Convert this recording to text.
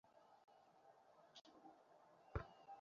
ফুলের গন্ধ আরো তীব্র হলো।